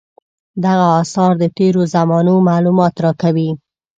دغه اثار د تېرو زمانو معلومات راکوي.